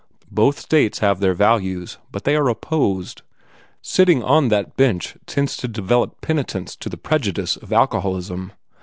Both states have their values, but they are opposed. Sitting on that bench tends to develop penitence to the prejudice of alcoholism.